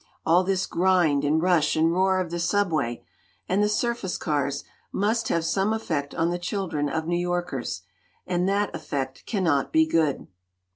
All this grind and rush and roar of the Subway and the surface cars must have some effect on the children of New Yorkers. And that effect cannot be good.